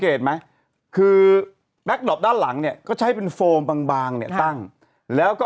ไหมคือแก๊กดอปด้านหลังเนี่ยก็ใช้เป็นโฟมบางเนี่ยตั้งแล้วก็